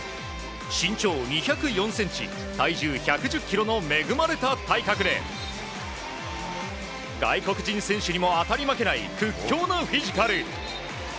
身長２０４ｃｍ体重１１０ｋｇの恵まれた体格で外国人選手にも当たり負けない屈強なフィジカル。